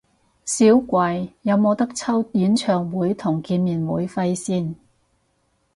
少貴，有無得抽演唱會同見面會飛先？